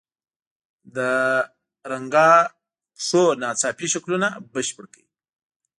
د رنګه خپو ناڅاپي شکلونه بشپړ کړئ.